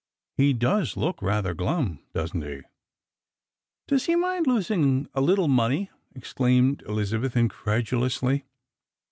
He does look rather glum, doesn't he ?"" Does he mind losing a little money ?" exclaimed Elizabeth incredulously.